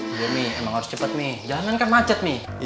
iya mie emang harus cepet mie jalan kan macet mie